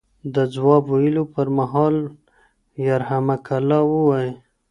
د ځواب ویلو پر مهال یرحمکم الله ووایئ.